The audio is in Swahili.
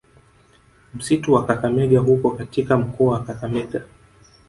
Msitu wa Kakamega huko katika mkoa wa Kakamega